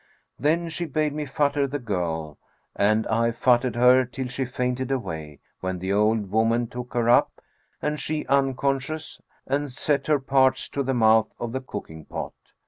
Then she bade me futter the girl, and I futtered her till she fainted away, when the old woman took her up (and she unconscious), and set her parts to the mouth of the cooking pot.